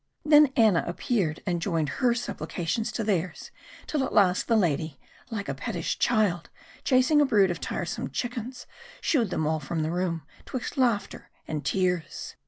Then Anna appeared, and joined her supplications to theirs, till at last the lady, like a pettish child chasing a brood of tiresome chickens, shooed them all from the room, 'twixt laughter and tears.